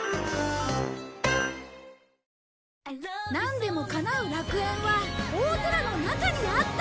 なんでも叶う楽園は大空の中にあった